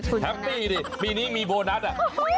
แฮปปี้ดิปีนี้มีโบนัสอ่ะ